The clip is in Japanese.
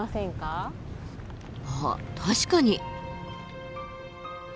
あっ確かに。